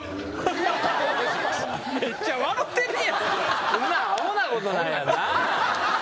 めっちゃ笑てるやん。